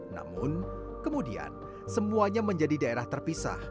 namun kemudian semuanya menjadi daerah terpisah